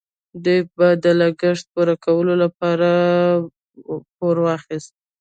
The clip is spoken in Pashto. دوی به د لګښت پوره کولو لپاره پور اخیست.